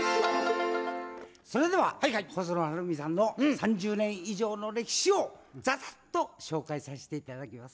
それでは細野晴臣さんの３０年以上の歴史をザッと紹介させていただきます。